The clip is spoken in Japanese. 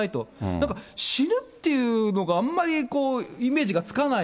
だから死ぬっていうのがあんまりこう、イメージがつかない。